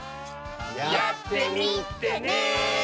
やってみてね！